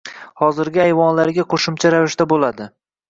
Hozirgi ayvonlarga qo‘shimcha ravishda bo’ladi.